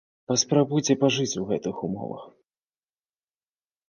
Паспрабуйце пажыць у гэтых умовах.